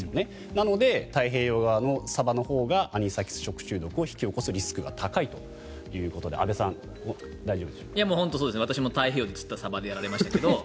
なので、太平洋側のサバのほうがアニサキス食中毒を引き起こすリスクが高いということで私も太平洋で釣ったサバでやられましたけど。